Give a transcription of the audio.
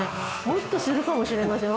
もっとするかもしれません。